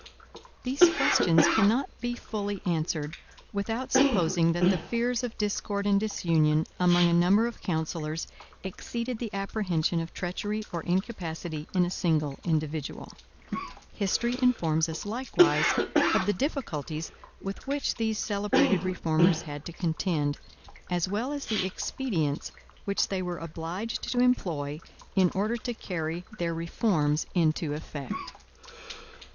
These questions cannot be fully answered, without supposing that the fears of discord and disunion among a number of counsellors exceeded the apprehension of treachery or incapacity in a single individual. History informs us, likewise, of the difficulties with which these celebrated reformers had to contend, as well as the expedients which they were obliged to employ in order to carry their reforms into effect.